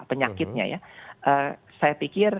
penyakitnya ya saya pikir